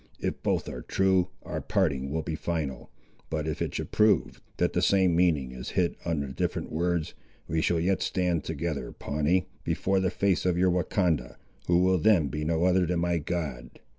If both are true, our parting will be final; but if it should prove, that the same meaning is hid under different words, we shall yet stand together, Pawnee, before the face of your Wahcondah, who will then be no other than my God.